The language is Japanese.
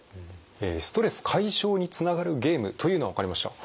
ストレス解消につながるゲームというのはわかりました。